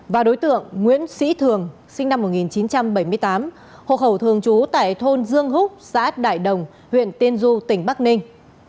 và đối tượng nguyễn sĩ thường sinh năm một nghìn chín trăm bảy mươi tám hộ khẩu thường trú tại thôn dương húc xã đại đồng huyện tiên du tỉnh bắc ninh